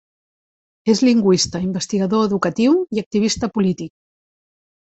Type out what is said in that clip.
És lingüista, investigador educatiu i activista polític.